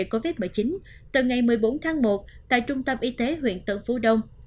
ông đê đã bị bệnh nhân điều trị covid một mươi chín từ ngày một mươi bốn tháng một tại trung tâm y tế huyện tân phú đông